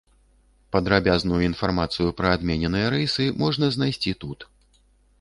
Падрабязную інфармацыю пра адмененыя рэйсы можна знайсці тут.